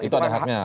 itu ada haknya